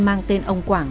mang tên ông quảng